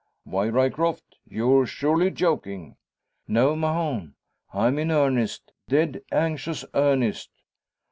"Why, Ryecroft, you're surely joking?" "No, Mahon; I'm in earnest dead anxious earnest."